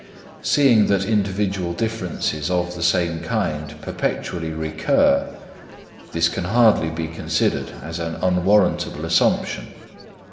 Seeing that individual differences of the same kind perpetually recur, this can hardly be considered as an unwarrantable assumption.